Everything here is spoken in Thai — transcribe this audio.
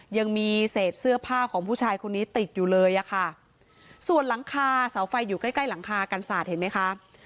ยังมีเศษเสื้อผ้าของผู้ชายคนนี้ติดอยู่เลยอะค่ะส่วนหลังคาเสาไฟอยู่ใกล้ใกล้หลังคากันศาสตร์เห็นไหมคะ